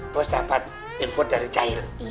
bos dapat input dari cahil